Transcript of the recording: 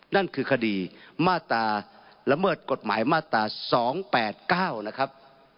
นั่นคือคดีมาตราละเมิดกฎหมายมาตรา๒๘๙นะครับ